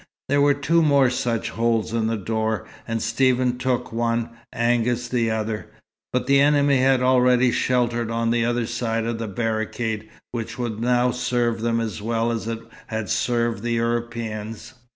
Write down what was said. There were two more such holes in the door, and Stephen took one, Angus the other. But the enemy had already sheltered on the other side of the barricade, which would now serve them as well as it had served the Europeans.